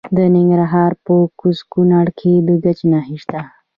د ننګرهار په کوز کونړ کې د ګچ نښې شته.